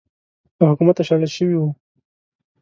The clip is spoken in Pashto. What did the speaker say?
له حکومته شړل شوی و